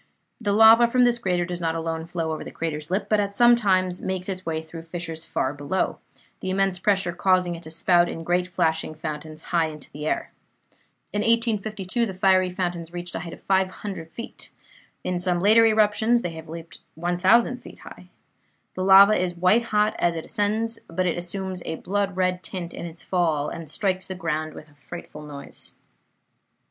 The lava from this crater does not alone flow over the crater's lip, but at times makes its way through fissures far below, the immense pressure causing it to spout in great flashing fountains high into the air. In 1852 the fiery fountains reached a height of 500 feet. In some later eruptions they have leaped 1,000 feet high. The lava is white hot as it ascends, but it assumes a blood red tint in its fall, and strikes the ground with a frightful noise.